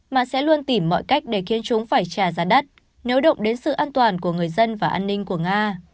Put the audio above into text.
mà sẽ luôn tìm mọi cách để khiến chúng phải trà ra đất nếu động đến sự an toàn của người dân và an ninh của nga